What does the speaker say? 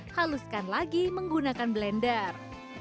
haluskan lagi menggunakan blender